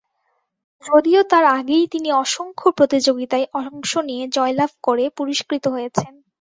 যদিও তার আগেই তিনি অসংখ্য প্রতিযোগিতায় অংশ নিয়ে জয়লাভ করে পুরস্কৃত হয়েছেন।